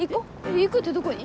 行くってどこに？